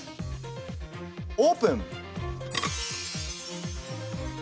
オープン！